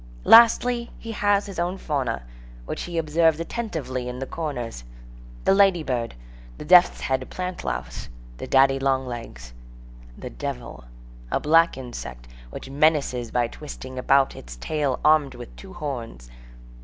Lastly, he has his own fauna, which he observes attentively in the corners; the lady bird, the death's head plant louse, the daddy long legs, "the devil," a black insect, which menaces by twisting about its tail armed with two horns.